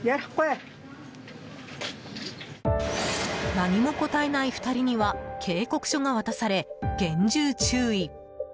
何も答えない２人には警告書が渡され、厳重注意。